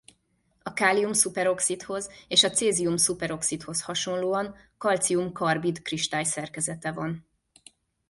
A kálium-szuperoxidhoz és a cézium-szuperoxidhoz hasonlóan kalcium-karbid kristályszerkezete van.